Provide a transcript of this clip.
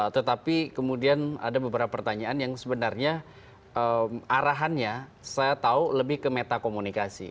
tetapi kemudian ada beberapa pertanyaan yang sebenarnya arahannya saya tahu lebih ke metakomunikasi